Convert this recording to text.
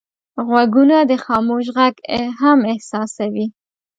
غوږونه د خاموش غږ هم احساسوي